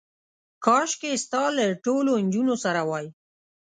کاشکې ستا له ټولو نجونو سره وای.